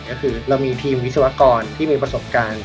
ก็คือเรามีทีมวิศวกรที่มีประสบการณ์